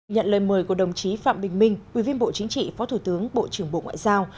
nhận lời mời của đồng chí phạm bình minh ủy viên bộ chính trị phó thủ tướng bộ trưởng bộ ngoại giao